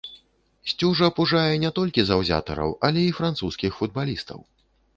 Сцюжа пужае не толькі заўзятараў, але і французскіх футбалістаў.